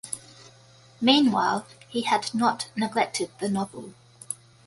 Meanwhile, he had not neglected the novel.